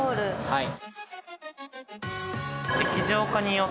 はい。